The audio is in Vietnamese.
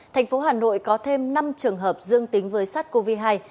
thành phố hà nội có thêm năm trường hợp dương tính với sát covid một mươi chín